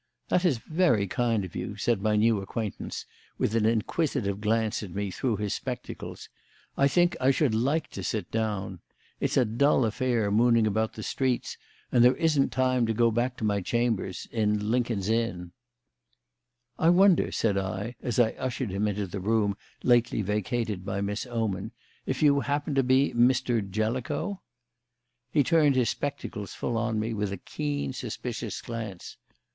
"That is very kind of you," said my new acquaintance, with an inquisitive glance at me through his spectacles. "I think I should like to sit down. It's a dull affair, mooning about the streets, and there isn't time to go back to my chambers in Lincoln's Inn." "I wonder," said I, as I ushered him into the room lately vacated by Miss Oman, "if you happen to be Mr. Jellicoe?" He turned his spectacles full on me with a keen, suspicious glance.